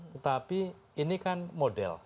tetapi ini kan model